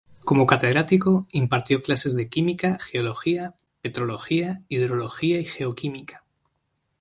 Como catedrático, impartió clases de química, geología, petrología, hidrología y geoquímica.